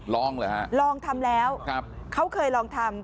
ลองเหรอฮะลองทำแล้วเขาเคยลองทำ